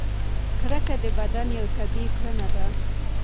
کرکه د بدن یوه طبیعي کړنه ده.